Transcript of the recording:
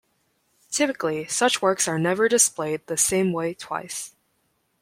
Typically such works are never displayed the same way twice.